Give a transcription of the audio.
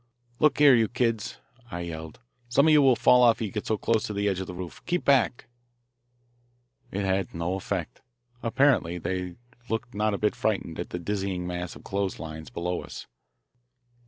"Look here, you kids," I yelled, "some of you will fall off if you get so close to the edge of the roof. Keep back." It had no effect. Apparently they looked not a bit frightened at the dizzy mass of clothes lines below us.